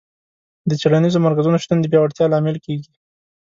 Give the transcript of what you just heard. د څېړنیزو مرکزونو شتون د پیاوړتیا لامل کیږي.